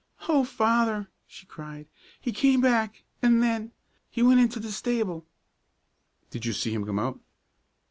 "O Father!" she cried, "he came back and then he went into the stable." "Did you see him come out?"